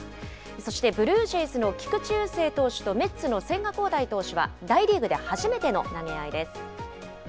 そしてブルージェイズの菊池雄星投手とメッツの千賀滉大投手は、大リーグで初めての投げ合いです。